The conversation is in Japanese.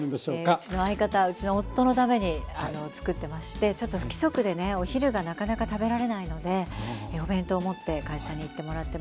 えうちの相方うちの夫のためにあのつくってましてちょっと不規則でねお昼がなかなか食べられないのでお弁当を持って会社に行ってもらってます。